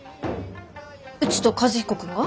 うちと和彦君が？